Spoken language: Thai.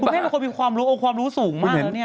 คุณแม่ควรมีความรู้โอ้ความรู้สูงมาก